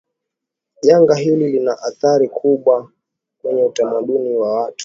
janga hili lina athari kubwa kwwnye utamaduni wa watu